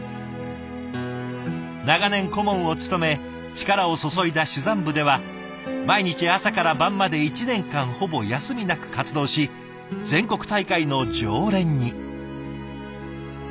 長年顧問を務め力を注いだ珠算部では毎日朝から晩まで１年間ほぼ休みなく活動し全国大会の常連に。